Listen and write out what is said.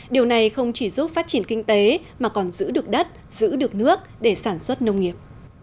điều này không chỉ giúp phát triển kinh tế mà còn giữ được đất giữ được nước để sản xuất nông nghiệp